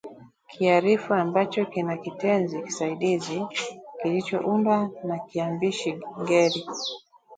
kiarifu ambacho kina kitenzi kisaidizi kilichoundwa na kiambishi ngeli